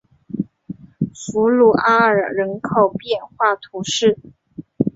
弗鲁阿尔人口变化图示